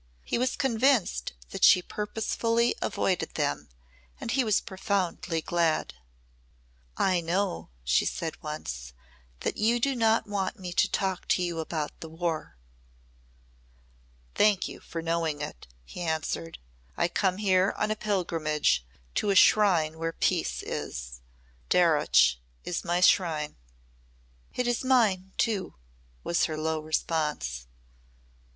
He was convinced that she purposely avoided them and he was profoundly glad. "I know," she said once, "that you do not want me to talk to you about the War." "Thank you for knowing it," he answered. "I come here on a pilgrimage to a shrine where peace is. Darreuch is my shrine." "It is mine, too," was her low response.